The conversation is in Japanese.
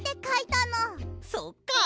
そっか！